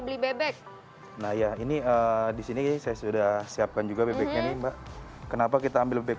beli bebek nah ya ini disini saya sudah siapkan juga bebeknya nih mbak kenapa kita ambil bebek